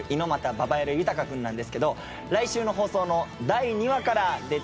ババヤロ豊君なんですけど来週の放送の第２話から出てきます。